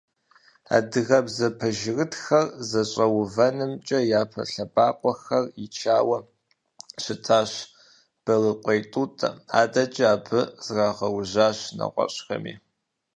Адыгэбзэ пэжырытхэр зэфӏэувэнымкӏэ япэ лъэбакъуэхэр ичауэ щытащ Борыкъуей Тӏутӏэ, адэкӏэ абы зрагъэужьащ нэгъуэщӀхэми.